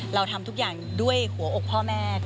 เราทำทุกอย่างด้วยหัวอกพ่อแม่